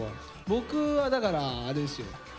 僕はだからあれですよ。